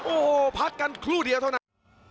โอ้โหพักกันครู่เดียวเท่านั้น